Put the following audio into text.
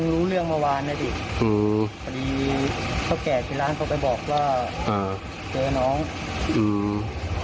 รู้เรื่องเมื่อวานนะดิอืมพอดีเท่าแก่ที่ร้านเขาไปบอกว่าอ่าเจอน้องอืม